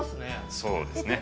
そうですね。